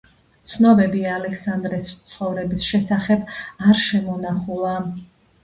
ცნობები ალექსანდრეს ცხოვრების შესახებ არ შემონახულა.